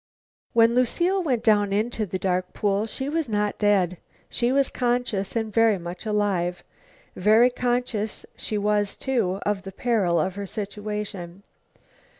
When Lucile went down into the dark pool she was not dead. She was conscious and very much alive. Very conscious she was, too, of the peril of her situation.